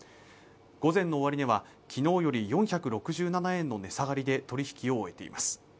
午前の終値は昨日より４６７円の値下がりで取引を終えています。